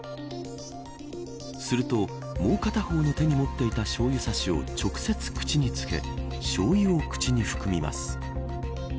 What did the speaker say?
すると、もう片方の手に持っていたしょうゆ差しを直接、口につけしょうゆを口に含みます。